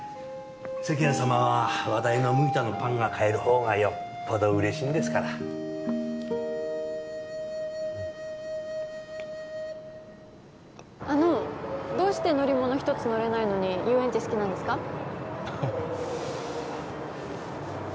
世間様は話題の麦田のパンが買えるほうがよっぽど嬉しいんですからあのどうして乗り物一つ乗れないのに遊園地好きなんですか？